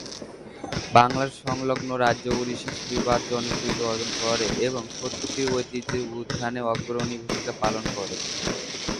বাংলার সংলগ্ন রাজ্য ওড়িশায় সুফিবাদ জনপ্রিয়তা অর্জন করে এবং সত্য-পীর ঐতিহ্যের উত্থানে অগ্রণী ভূমিকা পালন করে।